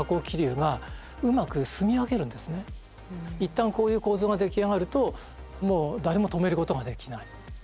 一旦こういう構造が出来上がるともう誰も止めることができない。